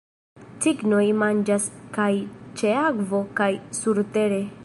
Cignoj manĝas kaj ĉe akvo kaj surtere.